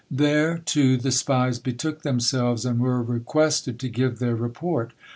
There too the spies betook themselves and were requested to give their report.